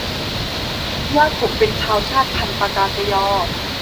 ย่าผมเป็นชาวชาติพันธุ์ปกากะญอ